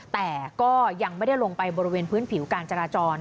แต่ก็ยังไม่ได้ลงไปบริเวณพื้นผิวการจราจร